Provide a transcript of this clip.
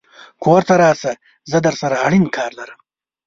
کور ته راشه زه درسره اړين کار لرم